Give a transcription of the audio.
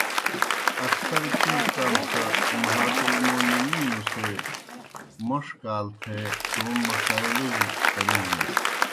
اخسر چیئی قام سہ اُمہاتُ المُؤمنِینو سے موْݜ کال تھےتومہ مسائلوجیْ پرُجنِس۔